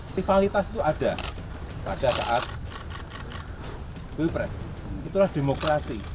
rivalitas itu ada pada saat pilpres itulah demokrasi